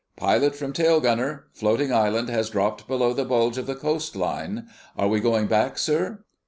"Pilot from tail gunner: Floating island has dropped below the bulge of the coastline.... Are we going back, sir?"